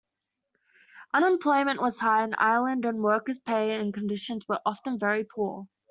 Unemployment was high in Ireland and worker's pay and conditions were often very poor.